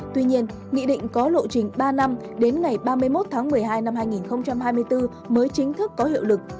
tuy nhiên nghị định có lộ trình ba năm đến ngày ba mươi một tháng một mươi hai năm hai nghìn hai mươi bốn mới chính thức có hiệu lực